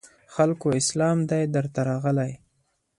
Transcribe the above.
خلکو اسلام دی درته راغلی